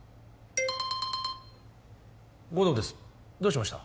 護道ですどうしました？